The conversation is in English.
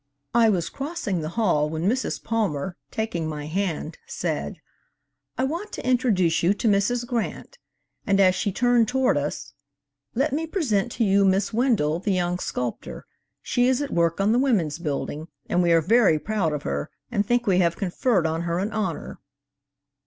"I was crossing the hall when Mrs. Palmer, taking my hand, said: 'I want to introduce you to Mrs. Grant,' and as she turned toward us, 'let me present to you Miss Wendell, the young sculptor; she is at work on the Women's Building and we are very proud of her and think we have conferred on her an honor.'